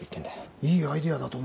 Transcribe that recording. いいアイデアだと思わねえか？